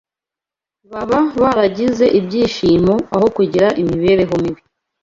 baba baragize ibyishimo aho kugira imibereho mibi.